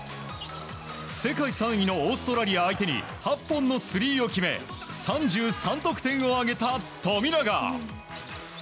世界３位のオーストラリア相手に８本のスリーを決め３３得点を挙げた富永。